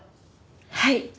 はい。